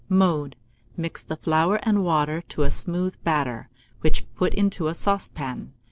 Mode. Mix the flour and water to a smooth batter, which put into a saucepan.